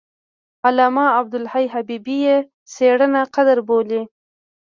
علامه عبدالحي حبیبي یې څېړنه قدر بولي.